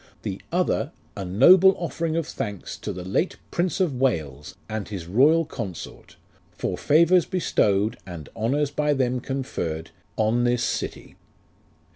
The Other, A noble offering of thanks To the late Prince of WALES, and his royal Consort, For favours bestowed, And honours by them conferred, on this city.